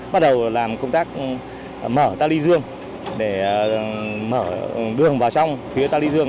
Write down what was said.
bắt đầu làm công tác mở ta luy dương để mở đường vào trong phía ta luy dương